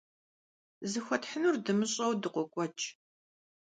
Зыхуэтхьынур дымыщӀэу дыкъокӀуэкӀ.